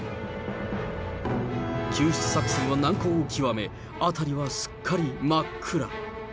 救出作戦は難航を極め、辺りはすっかり真っ暗。